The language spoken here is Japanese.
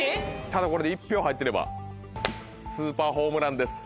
ただこれで１票入ってればスーパーホームランです。